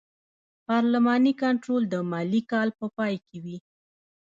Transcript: پارلماني کنټرول د مالي کال په پای کې وي.